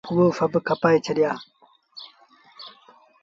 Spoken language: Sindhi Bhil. هئو سڀ کپآئي ڇڏيآ۔